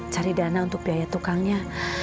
cari dana untuk biaya tukangnya